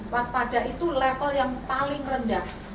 waspada itu level yang paling rendah